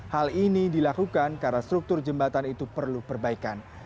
hal ini dilakukan karena struktur jembatan itu perlu perbaikan